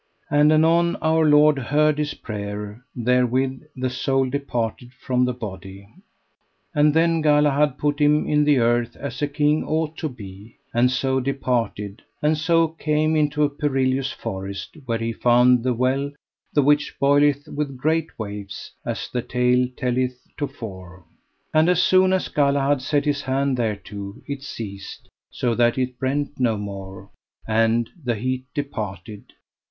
And anon Our Lord heard his prayer: therewith the soul departed from the body. And then Galahad put him in the earth as a king ought to be, and so departed and so came into a perilous forest where he found the well the which boileth with great waves, as the tale telleth to fore. And as soon as Galahad set his hand thereto it ceased, so that it brent no more, and the heat departed.